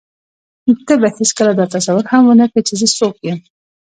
ته به هېڅکله دا تصور هم ونه کړې چې زه څوک یم.